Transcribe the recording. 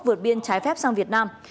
vượt biên trái phép sang việt nam